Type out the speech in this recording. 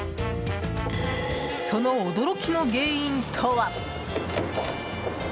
その驚きの原因とは。